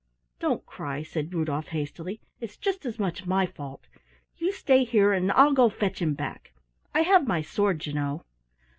"Don't cry," said Rudolf hastily. "It's just as much my fault. You stay here and I'll go fetch him back. I have my sword, you know."